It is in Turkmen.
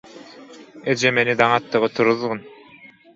– Eje meni daň atdygy turuzgyn.